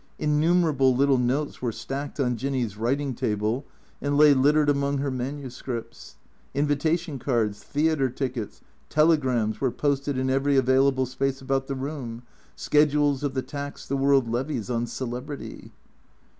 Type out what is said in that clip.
Innumerable little notes were stacked on Jinny's writing table and lay littered among her manuscripts. Invitation cards, theatre tickets, telegrams were posted in every available space about the room, schedules of the tax the world levies on celebrity.